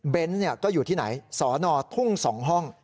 เบนซ์เนี่ยก็อยู่ที่ไหนสอนอทุ่งสองห้อง